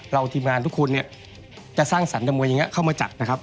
ทีมงานทุกคนเนี่ยจะสร้างสรรคมวยอย่างนี้เข้ามาจัดนะครับ